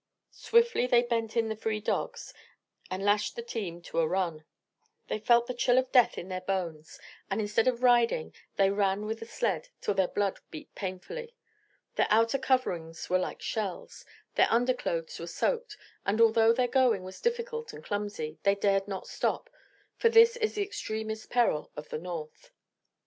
Swiftly they bent in the free dogs and lashed the team to a run. They felt the chill of death in their bones, and instead of riding they ran with the sled till their blood beat painfully. Their outer coverings were like shells, their underclothes were soaked, and although their going was difficult and clumsy, they dared not stop, for this is the extremest peril of the North.